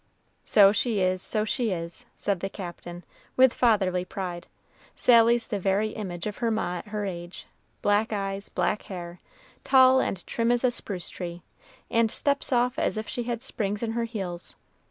"So she is, so she is," said the Captain, with fatherly pride. "Sally's the very image of her ma at her age black eyes, black hair, tall and trim as a spruce tree, and steps off as if she had springs in her heels.